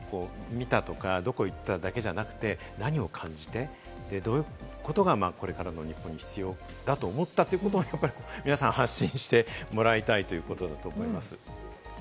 何を見たとか、どこ行っただけじゃなくて、何を感じて、どういうことがこれからの日本に必要だと思ったかということを皆さん、発信してもらいたいということだと思います。